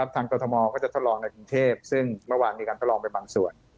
กรทมก็จะทดลองในกรุงเทพซึ่งเมื่อวานมีการทดลองไปบางส่วน